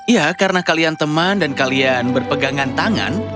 ya karena kalian teman dan kalian berpegangan tangan